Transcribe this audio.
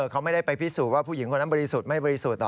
เขาไม่ได้ไปพิสูจน์ว่าผู้หญิงคนนั้นบริสุทธิ์ไม่บริสุทธิ์